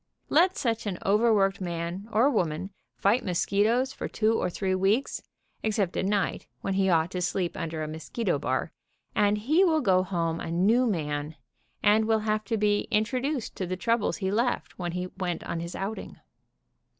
Let such an overworked man or woman fight mosquitoes for two or three weeks, except at night, when he ought to sleep under a mosquito bar, and he will go home a new man, and will have to be intro duced to the trou bles he left when he went on his outing.